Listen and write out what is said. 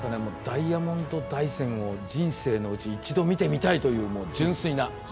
ダイヤモンド大山を人生のうち一度見てみたいというもう純粋な。